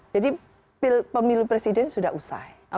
jadi pemilu presiden sudah usai